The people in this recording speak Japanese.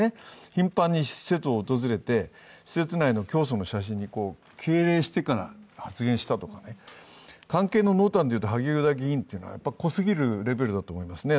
頻繁に施設を訪れて施設内の教祖の写真に敬礼してから発言したとか、関係からいうと萩生田議員は濃すぎるレベルだと思いますね。